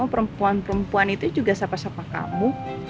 perempuan perempuan itu juga sapa sapa kamu